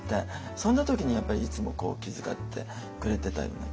そんな時にやっぱりいつもこう気遣ってくれてたような気がしますね。